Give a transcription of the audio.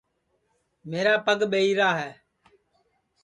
میرا پگ ٻہیرا ہے